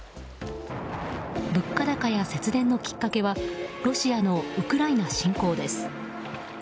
物価高や節電のきっかけはロシアのウクライナ侵攻です。